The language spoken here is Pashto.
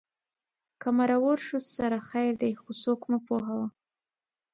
که مرور شو سره خیر دی خو څوک مه پوهوه